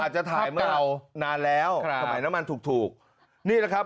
อาจจะถ่ายเมื่อนานแล้วครับถ่ายน้ำมันถูกถูกนี่แหละครับ